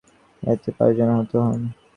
এতে পাঁচজন আহত হন।